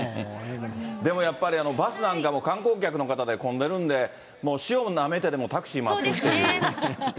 でもやっぱりバスなんかも観光客の方で混んでるんで、もう塩なめてでもタクシー待つっていう。